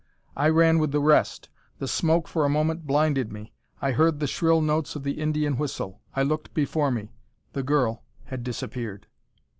I ran with the rest. The smoke for a moment blinded me. I heard the shrill notes of the Indian whistle. I looked before me. The girl had disappeared.